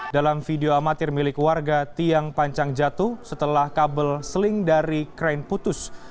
dalam video amatir milik warga tiang pancang jatuh setelah kabel seling dari krain putus